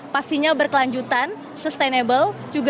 pastinya berkelanjutan sustainable